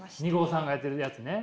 ＮＩＧＯさんがやってるやつね。